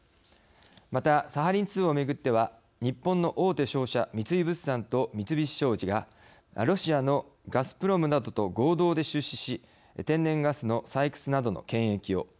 また、サハリン２をめぐっては日本の大手商社三井物産と三菱商事がロシアのガスプロムなどと合同で出資し天然ガスの採掘などの権益を。